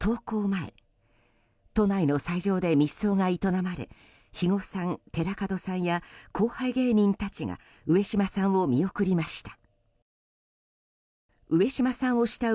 前都内の斎場で密葬が営まれ肥後さん、寺門さんや後輩芸人たちが上島さんを見送りました。